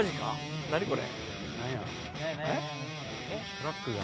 トラックが。